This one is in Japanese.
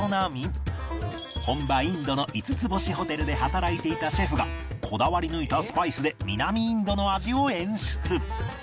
本場インドの５つ星ホテルで働いていたシェフがこだわり抜いたスパイスで南インドの味を演出